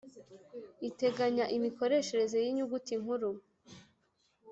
iteganya imikoreshereze y’inyuguti nkuru